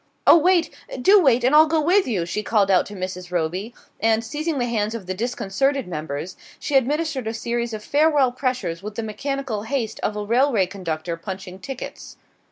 "Oh wait do wait, and I'll go with you!" she called out to Mrs. Roby; and, seizing the hands of the disconcerted members, she administered a series of farewell pressures with the mechanical haste of a railway conductor punching tickets.